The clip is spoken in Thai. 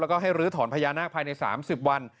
แล้วก็ให้ลื้อถอนพญานาคภายใน๓๐วัน